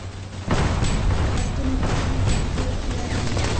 ولایتونه د طبیعي پدیدو یو ښکلی رنګ دی.